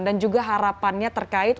dan juga harapannya terkait